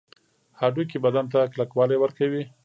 هډوکي بدن ته کلکوالی ورکوي